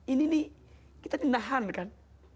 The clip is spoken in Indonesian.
ini nih kita dinahankan